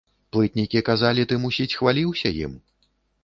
Плытнікі казалі, ты, мусіць, хваліўся ім.